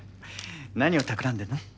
何をたくらんでんの？